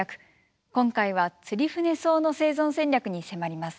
今回はツリフネソウの生存戦略に迫ります。